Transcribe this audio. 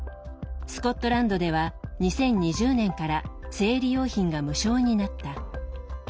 スコットランドでは２０２０年から生理用品が無償になった。